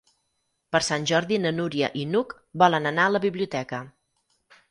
Per Sant Jordi na Núria i n'Hug volen anar a la biblioteca.